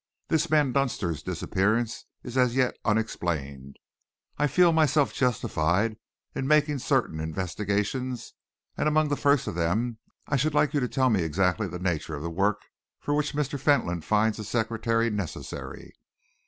This man Dunster's disappearance is as yet unexplained. I feel myself justified in making certain investigations, and among the first of them I should like you to tell me exactly the nature of the work for which Mr. Fentolin finds a secretary necessary?"